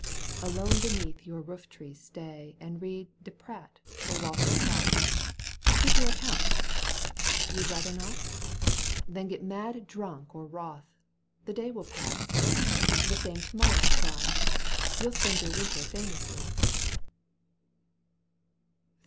Alone beneath your rooftree stay And read De Pradt or Walter Scott !*^ Keep your accounts ! You'd rather not ? Then get mad drunk or wroth ; the day Will pass ; the same to nxorrow try— You'll spend your winter famously I ?